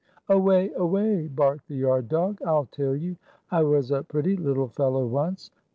"Away! Away!" barked the yard dog. "I'll tell you. I was a pretty little fellow once.